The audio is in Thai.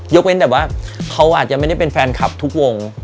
ยกเว้นว่าเขาก็ไม่ได้เป็นแฟนคับทุกวง